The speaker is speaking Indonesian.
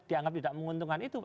dianggap tidak menguntungkan itu